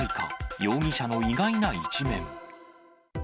容疑者の意外な一面。